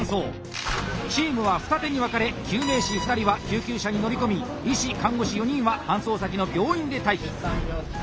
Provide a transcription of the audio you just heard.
チームは二手に分かれ救命士２人は救急車に乗り込み医師・看護師４人は搬送先の病院で待機。